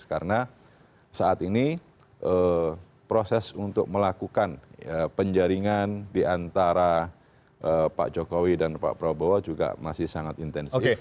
karena saat ini proses untuk melakukan penjaringan di antara pak jokowi dan pak prabowo juga masih sangat intensif